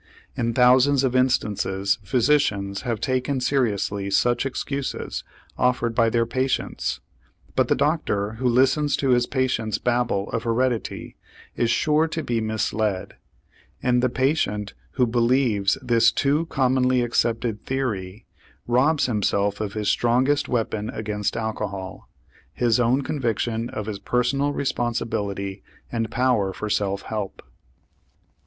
In thousands of instances physicians have taken seriously such excuses offered by their patients, but the doctor who listens to his patient's babble of heredity is sure to be misled, and the patient who believes this too commonly accepted theory robs himself of his strongest weapon against alcohol his own conviction of his personal responsibility and power for self help.